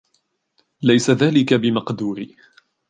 ليس ذلك بمقدوري.